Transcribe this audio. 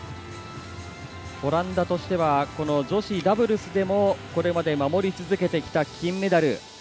オランダとしてはこの女子ダブルスでもこれまで守り続けてきた金メダル。